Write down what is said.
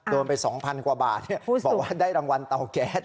โดนไป๒๐๐๐กว่าบาทบอกว่าได้รางวัลเตาแก๊ส